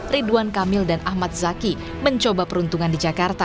ridwan kamil dan ahmad zaki mencoba peruntungan di jakarta